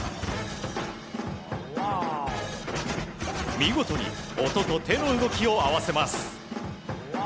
見事に音と手の動きを合わせます。